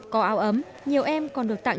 có áo ấm nhiều em còn được tặng